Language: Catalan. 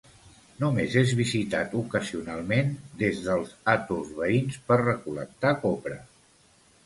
Només és visitat ocasionalment des dels atols veïns per recol·lectar copra.